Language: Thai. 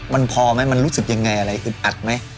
มันพอไหมมันรู้สึกยังไงอะไรอึดอัดไหม